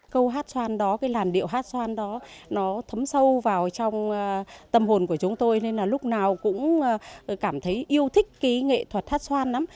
câu hát xoan đó cái làn điệu hát xoan đó nó thấm sâu vào trong tâm hồn của chúng tôi nên là lúc nào cũng cảm thấy yêu thích cái nghệ thuật hát xoan lắm